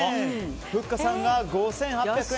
ふっかさんが５８００円